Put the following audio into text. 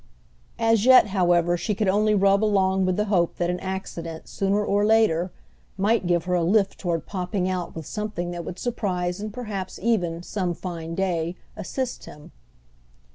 As yet, however, she could only rub along with the hope that an accident, sooner or later, might give her a lift toward popping out with something that would surprise and perhaps even, some fine day, assist him.